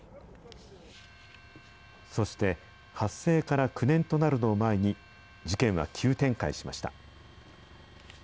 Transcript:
そして、発生から９年となるのを前に、事件は急展開しました。